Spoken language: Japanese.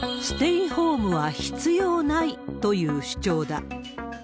ステイホームは必要ないという主張だ。